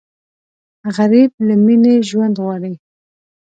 غریب له مینې ژوند غواړي